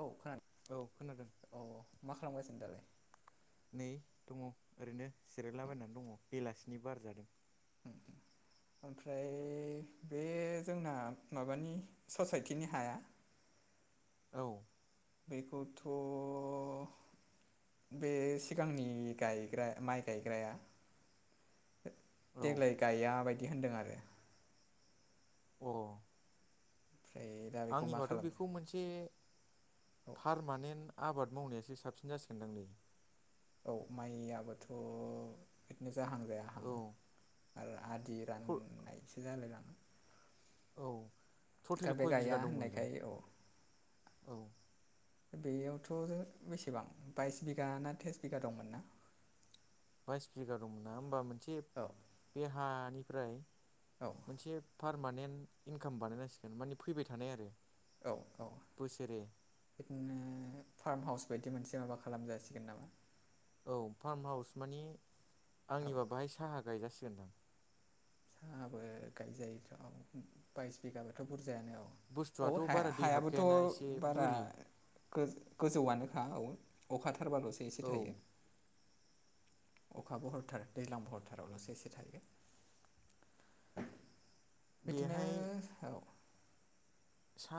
औ खोनादों औ मा खालामगासिनो दालाय नै दङ ओरैनो जिरायलाबायनानै दङ बेलासिनि बार जादों। ओमफ्राय बे जोंना माबानि ससाइटिनि हाया औ बेखौथ' बे सिगांनि गायग्रा माइ गायग्राया औ देग्लाय गाया बायदि होनदों आरो औ ओमफ्राय दा बेखौ मा आंनिबाथ' खालामनो बेखौ मोनसे पारमानेन्ट आबाद मावनायासो साबसिन जासिगोनदांलै औ माइ आबादथ' बिदिनो जाहां जायाहां औ आरो आदि राननायसो जालायलाङो औ दा टटेल बे खय गाया बिगा दंमोनलाय होननायखाय औ औ बेयावथ' बेसेबां बाइस बिघा ना त्रिस बिगा दंमोन ना बायस बिगा दङना होमबा औ मोनसे हानिफ्राय औ मोनसे पार पारमानेन्ट इनकाम बानायनांसिगोन माने फैबाय थानाय आरो औ औ बोसोरे बिदिनो फार्म हाउस बायदि मोनसे माबा खालाम जासिगोन नामा? औ फार्म हाउस मानि औ आंनिबा बाहाय साहा गायजासिगोनदां साहाबो गायजायोथ' बाइस बिगाबाथ' बुरजा जायानो औ बुस्थुआथ' औ बारा दै हायाबोथ' हाबखायाना एसे बारा बोरि गोजौ आनोखा औ अखा हाथारबाल'सो एसे औ थायो। अखा बहथार दैज्लां बहरथारावल'सो एसे थायो। बिदिनो बेहाय औ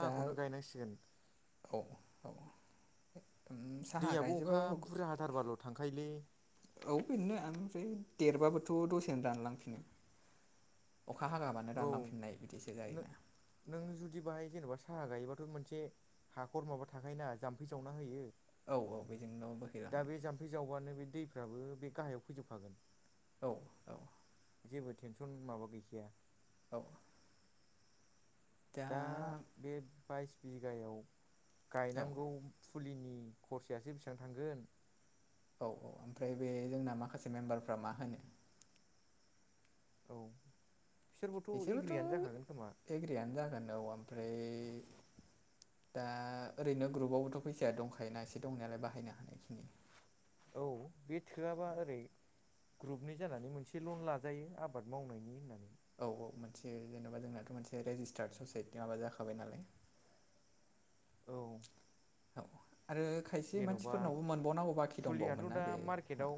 दा गायनांसिगोन। औ औ साहा दैयाबो अखा गायजोबाबाबो बुरजा हाथारबाल' थांखायोलै औ बेनो ओमफ्राय देरबाबोथ' दसेनो रानलांफिनो अखा हागाबानो औ रानलांफिननाय बिदिसो नों जायोना नों जुदि बाहाय जेनेबा साहा गायोबाथ' मोनसे हाखर माबा थाखायायोना जाम्फै जावना होयो। औ -औ - बे दा बे जाम्फै जावबानो बे दैफ्राबो बे गाहायाव फैजोबखागोन। औ औ जेबो टेनसन माबा गैखाया। औ दा [unintelligible] फुलिनि औ खरसायासो बेसेबां थांगोन? औ औ ओमफ्राय बे जोंना माखासे मेम्बारफ्रा मा होनो औ बिसोरबोथ' एग्रियानो जाखागोन खोमा बिसोरबोथ' एग्रियानो जागोन औ ओमफ्राय दा ओरैनो ग्रुपआवबोथ' फैसाया दंखायोना एसे दंनायालाय बाहायनो हानायखिनि औ बे थोआबा ओरै ग्रुपनि जानानै मोनसे लन लाजायो आबाद मावनायनि होननानै औ - औ मोनसे जेन'बा जोंनाथ' मोनसे रेजिस्टार्ड ससाइटि माबा जाखाबाय नालाय। [inaudible] औ औ आरो खायसे जेन'बा मानसिफोरनावबो मोनबावनांगौ बाखि फुलियाथ' दंबावोमोन ना? दा बे मार्केटाव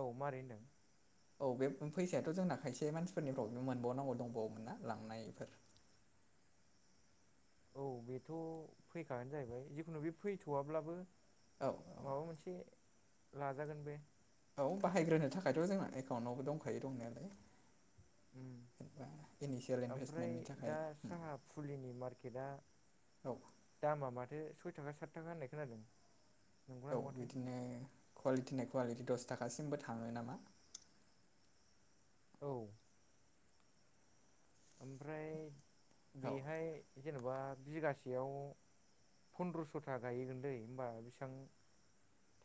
औ मारै होनदों औ बे फैसायाथ' जोंना खायसे मानसिफोरनिफ्राव मोनबावनांगौ दंबावोमोन ना लांनायफोर [inaudible] औ बेथ' फैखागानो जाहैबाय जिखुनु बे फैथवाब्लाबो औ माबा मोनसे लाजागोन बे बे बाहायग्रोनो थाखायथ' जोंना एकाउन्टावबो दंखायो दंनायालाय उम जेनेबा इनिसियेल ओमफ्राय इनभेस्टमेन्टनि दा थाखाय साहा फुलिनि मार्केटआ औ दामा माथो सय थाखा सात थाखा होननाय खोनादों। नंगौना औ नङाथाय बिदिनो कुवालिटिना कुवालिटि दस थाखासिमबो थांङो नामा? औ ओमफ्राय औ बेहाय जेनेबा मा बिघासेयाव फन्द्रस'था गायगोनल होनबा बेसेबां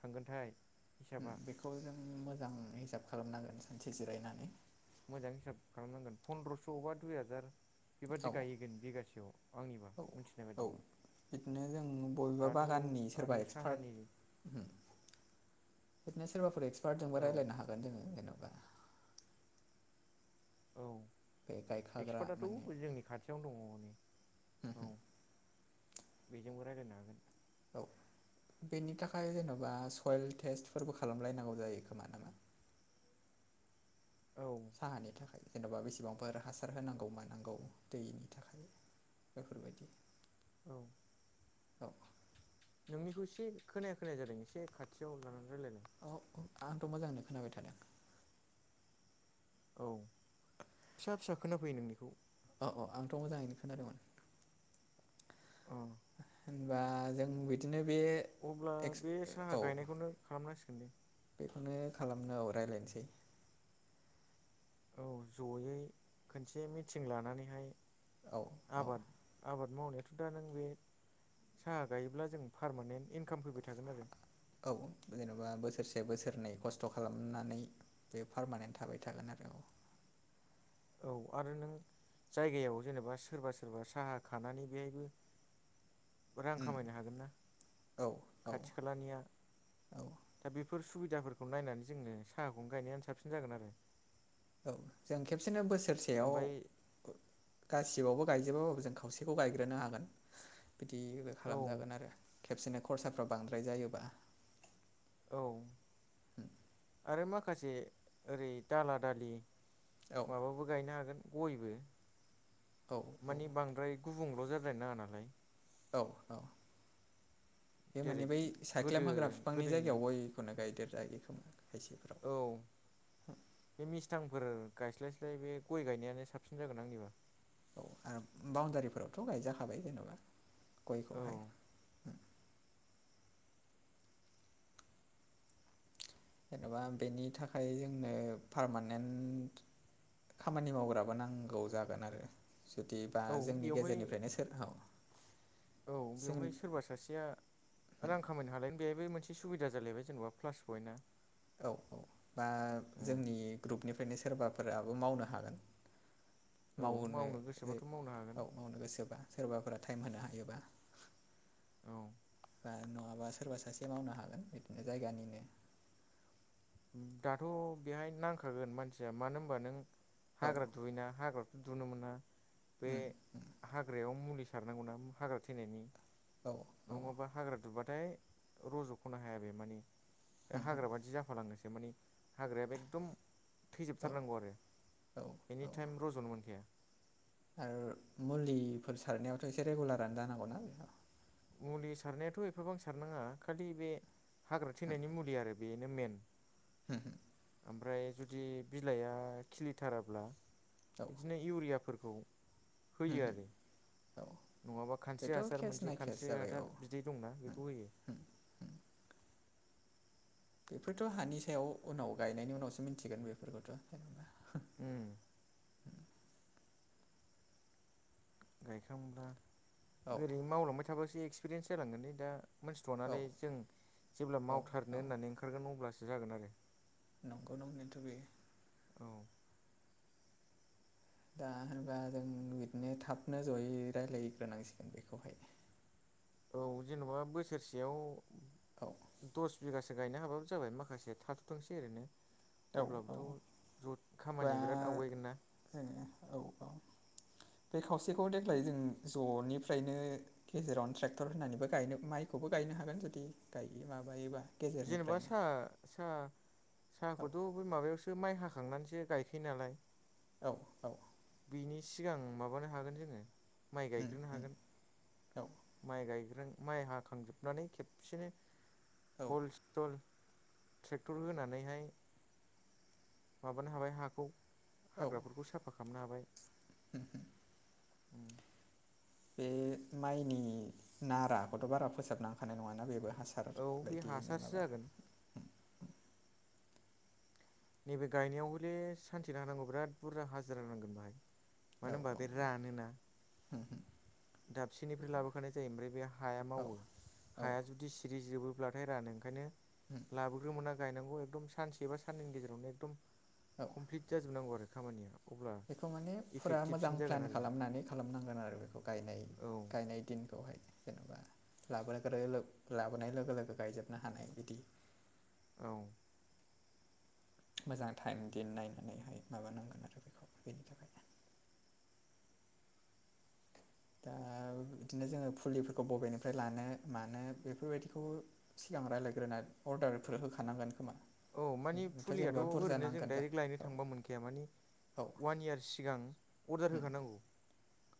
थांगोनथाय हिसाबा बेखौ जों मोजां हिसाब खालामनांगोन सानसे जिरायनानै मोजां हिसाब खालामनांगोन फन्द्रस' बा दुइ हाजार औ बेबादि गायहगोन बिगासेयाव आंनिबा औ मिथिनाय औ बाददिबा बिदिनो जों बबेबा बागाननि आरो सोरबा एक्सपार्ट साहानि बिदिनो सोरबाफोर एक्सपार्टजोंबो औ रायलायनो हागोन जोंङो जेनाव औ बे गायखाग्रा माने एक्सपार्टआथ' जोंनि खाथियावनो दंङो हनै औ बेजोंबो रायलायनो हागोन। औ बेनि थाखाय जेनेबा सयल टेस्टफोरबो खालामलायनांगौ जायो खोमा नामा? औ साहानि थाखाय जेने'बा बेसेबांफोर हासार होनांगौ मानांगौ दैनि थाखाय बेफोरबायदि औ औ नोंनिखौ एसे खोनाया खोनाया जादों एसे खाथियाव लानानै रायजलायदों। औ औ आंथ' मोजांनो खोनाबाय थादों। औ फिसा फिसा खोनाफैयो नोंनिखौ अ अ आंथ' मोजाङैनो खोनादों माथो नोंथां अ होनबा जों बिदिनो बे अब्ला एक्स बे साहा औ गायनायखौनो खालामनांसिगोन दे बेखौनो खालामनो औ रायज्लायनोसै औ जयै खनसे मिटिं लानानैहाय औ औ आबाद आबाद मावनायाथ' दा नों बे साहा गायोब्ला जों पारमानेन्ट इनकाम फैबाय थागोन आरो। औ जेनेबा बोसोरसे बोसोरनै खस्थ' खालामनानै बे पारमानेन्ट थाबाय थागोन आरो। औ औ आरो नों जायगायाव जेनेबा सोरबा सोरबा साहा खानानै बेबो [inaudible] रां खामायनो हागोन ना औ औ खाथि खालानिया औ दा बे बेफोर सुबिदाफोरखौ नायनानै जोङो साहाखौनो गायनायानो साबसिन जागोन आरो। औ जों खेबसेनो बोसोरसेयाव ओमफ्राय ग गासिबावबो गायजोबाबाबो जों खावसेखौ गायग्रोनो हागोन बिदिबो औ खालामजागोन आरो। खेबसेनो खरसाफ्रा बांद्राय जायोबा औ आरो माखासे ओरै दाला दालि औ माबाबो गायनो हागोन। गयबो औ माने औ बांद्राय गुबुंल' जाद्राय नाङा नालाय। औ औ बे जेरै माने बै गोदो साइख्लम होग्रा बिफांनि गोदोनि जायगायाव गयखौनो गायदेर जायो खोमा। खायसेफोराव फोर गायस्लायस्लाय बे गय गायनायानो साबसिन जागोन आंनिबा औ आरो बाउणडारिफोरावथ' गायजाखाबाय जेन'बा गयखौहाय औ जेन'बा बेनि थाखाय जोंनो पारमानेन्ट खामानि मावग्राबो नांगौ जागोन आरो। जुदिबा औ जोंनि बेवहाय गेजेरनिफ्रायनो सोरखौ औ बेवहाय सोरबा सासेया रां खामायनो हालाय बेबो मोनसे सुबिदा जालायबाय जेनेबा प्लास पयेन्टआ औ औ बा जोंनि ग्रुपनिफ्रायनो सा सोरबाफोराबो मावनो हागोन। औ मावनो गोसोबाथ' मावनो हागोन औ मावनो गोसोबा सोरबाफोर टाइम होनो हायोबा औ बा नङाबा सोरबा सासे मावनो हागोन बिदिनो जायगानिनो दाथ' बेहाय नांखागोन मानसिया मानो होनबा नों औ हाग्रा दुयोना हाग्रा दुनो मोना बे उम हाग्रायाव मुलि सारनांगौना हाग्रा थैनायनि औ नङाबा हाग्रा दुबबाथाय रज' ख'नो हाया बे माने बे हाग्रा बादि जाफालांगोनसो माने हाग्रायाबो एकदम औ थैजोबथारनांगौ आरो औ औ एनिटाइम रज'नो मोनखाया आरो मुलिफोर सारनायावथ' एसे रेगुलारानो जानांगौना मुलि सारनायाथ' एफाबां सारनाङा खालि बे हाग्रा थैनायनि मुलि आरो बेनो मेन हो ओमफ्राय जुदि बिलाइआ खिलिथाराब्ला औ बिदिनो इउरियाफोर खौ होयो आरो औ नङाबा खानस्रि बेथ' हासार केस मोनसे ना केस खानस्रि जाबाय औ हासार बिदै दंना बेखौ होयो बेफोरथ' हानि सायाव उनाव गायनायनि उनावसो मिथिगोन बेफोरखौथ' जेनेबा उम [inaudible] गायखांब्ला औ ओरै मावलांबाय थाबासो एक्सपिरियेन्स जालांगोनलै दा औ मोनथिथनानै जों जेब्ला औ मावथारनो औ होननानै ओंखारगोन अब्लासो जागोन आरो नंगौ नंनायाथ बे औ दा होनबा जों बिदिनो थाबनो जयै रायलायग्रोनांसिगोन बेखौहाय [inaudible] औ जेनेबा बोसोरसेयाव औ दस बिगासो गायनो हाबाबो जाबाय माखासे थाथथोंसै ओरनो औ औ बा खामानिया बिराद आवगायगोन ना औ औ [inaudible] बे खावसेखौ देग्लाय जों जनिफ्रायनो गेजेरावनो ट्रेक्टर होनानैबो गायनो माइखौबो गायनो गायनो हागोन जुदि गायो माबायोबा जेनेबा गेजेरनिफ्रायनो सा सा औ साहाखौथ बै माबायावसो माइ हाखांनानैसो गायखायो नालाय औ औ नि सिगां माबानो हागोन जोङो माइ उम गायग्रोनो उम हागोन औ माइ हाखांजोबनानै खेबसेनो औ हल सल ट्रेक्टर होनानैहाय माबानो हाबाय हाखौ औ हाग्राफोरखौ साफा खालामनो हाबाय [unintelligible] [inaudible] बे माइनि नाराखौथ बारा फोसाबनांखानाय नङाना बेबो हासार औ बे बायदियैनो हासारसो माबा जागोन नैबे गायनायाव हले सान्थिना होनानांगौ बिराद बुरजा हाजिरा नांगोन बाहाय मानो औ होनबा औ बे रानोना उम उम दाबसेनिफ्राय बेखौ लाबोखानाय जायो ओमफ्राय बे हाया औ मावो औ हाया जुदि सिरि जोबो जाब्लाथाय रानो ओंखायनो उम लाबोग्रोमोना गायनांगौ एकदम सानसे एबा साननैनि गेजेरावनो एकदम औ कमप्लिट जाजोबनांगौ आरो खामानिया अब्ला बेखौ माने फुरा मोजां इफेक्टिभसिन जागोन प्लेन आरो खालामनानै खालामनांगोन आरो बेखौ गायनाय औ गायनाय दिनखौ हाय जेनबा ला लाबोनाय लोगो लोगो गायजोबनो हानाय बिदि औ मोजां टाइम दिन नायनानैहाय माबानांगोन आरो बेखौ बेनि थाखाय दा बिदिनो जोङो फुलिफोरखौ बबेनिफ्राय लानो मानो बेफोरबायदिखौ सिगां रायज्लायग्रोना अर्डारफोर होखानांगोन खोमा औ मानिे नोंथ' फुलियाथ जेनेबा बुरजा ओरैनो जों नांगोन जाहै डाइरेक्ट लायनो औ थांबा मोनखाया मानि औ अवान इयार सिगां अर्डार होखानांगौ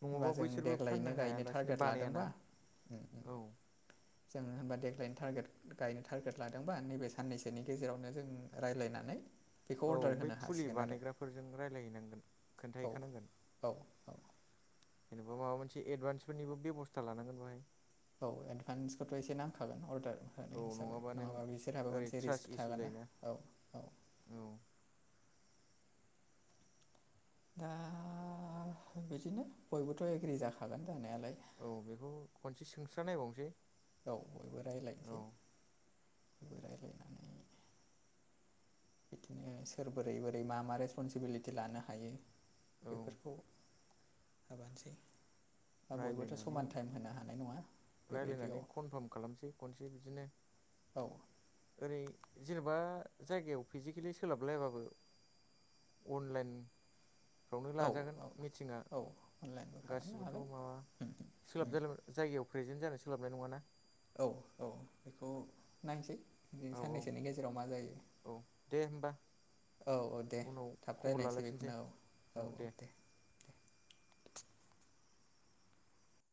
नङाबा होमबा जों बैसोरबो फाननो देग्लायनो गायनो हायालासिनो टारगेट बानायाना लादोंबा औ जों होनबा देग्लायनि टारगेट गायनो टारगेट लादोंबा नैबे साननैसोनि गेजेरावनो जों रायज्लायनानै बेखौ औ अर्डार बै होनो फुलि हासिगोन आरो बानायग्राफोरजों रायलायहैनांगोन औ खोनथाहैखानांगोन औ औ जेनेबा माबा मोनसे एदभान्सफोरनिबो बेबस्था लानांगोन बाहाय औ एडभान्सखौथ एसे नांखागोन अर्डार औ होनाय हिसाबै नों नङाबा बिसोरहाबो ओरै मोनसे ट्रास्ट रिस्क इसु थागोन ना जायोना औ औ [inaudible] औ दा बिदिनो बयबोथ एग्रि जाखागोन जानायालाय औ बेखौ खनसे सोंस्रा नायबावनोसै औ बयबो औ रायजलायनोसै बिदिनो सोर बोरै बोरै मा मा रेसपनसिबिलिटि लानो हायो औ बेफोरखौ होबोनोसै बयबोथ रायलायनानै समान टाइम होनो हानाय नङा रायलायनानै बेबायदियाव कनफार्म खालामसै खनसे बिदिनो औ ओरै जेनेबा बा जायगायाव फिजिकेलि सोलाबलायाबाबो अनलाइन फ्रवनो औ लाजागोन औ मिटिङा औ अनलाइनबो खालामनो गासिबोथ' हागोन माबा उम सोलाब उम जायगायाव प्रेजेन्ट जानो सोलाबनाय नङाना औ औ बेखौ नायसै बि औ औ साननैसोनि गेजेराव मा जायो। औ दे होमबा औ औ दे उनाव थाब खबर रायज्लायनोसै लालायफिनसै बेखौनो औ औ दे।